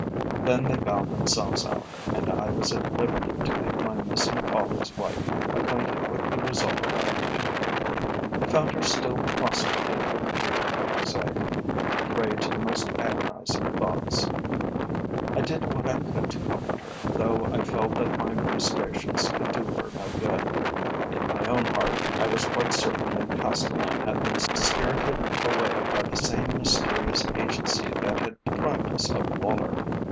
Then they bowed themselves out, and I was at liberty to make my missing colleague's wife acquainted with the result of our interview. I found her still prostrated with grief and anxiety, a prey to the most agonising thoughts. I did what I could to comfort her, though I felt that my ministrations could do her no good. In my own heart I was quite certain that Castellan had been spirited away by the same mysterious agency that had deprived us of Woller.